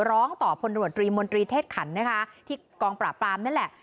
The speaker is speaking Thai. ร้องต่อผลโรงตรีมนตรีเทศขันต์ที่กองประปรามนั่นแหละ